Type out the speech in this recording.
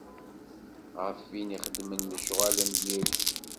Ɣef win ixeddmen lecɣal n diri.